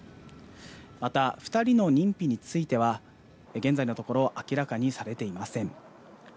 また、２人の認否については、現在のところ、明らかにされていません。